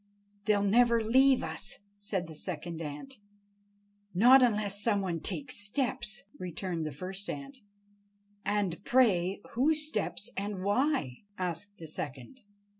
"They'll never leave us," said the second ant. "Not unless some one takes steps," returned the first ant. "And, pray, whose steps, and why?" asked the second.